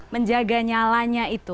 menjaga nyalanya itu